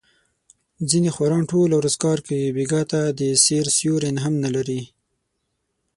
ځنې خواران ټوله ورځ کار کوي، بېګاه ته د سیر سیوری هم نه لري.